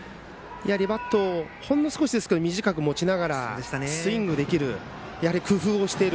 バットをほんの少し短く持ちながらスイングできる、工夫をしている。